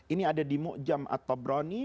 ini ada di mu'jam at tabrani